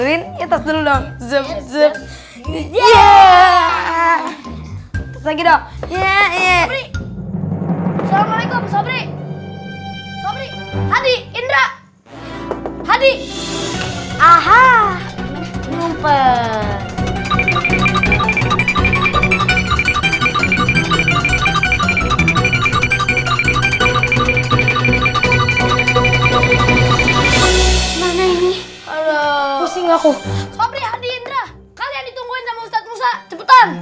kalian ditungguin sama ustad musa cepetan